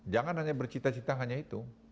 jangan hanya bercita cita hanya itu